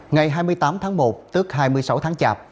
ngày hai mươi tám tháng một tức hai mươi sáu tháng chạp